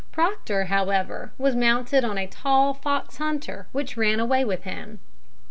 Proctor, however, was mounted on a tall fox hunter which ran away with him.